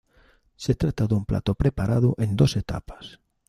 Se trata de un plato preparado en dos etapas.